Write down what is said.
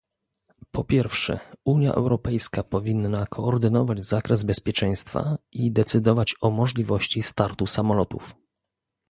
Po pierwsze, Unia Europejska powinna koordynować zakres bezpieczeństwa i decydować o możliwości startu samolotów